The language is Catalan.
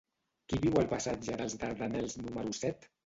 Qui viu al passatge dels Dardanels número set?